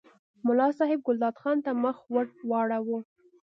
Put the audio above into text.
ملا صاحب ګلداد خان ته مخ ور واړاوه.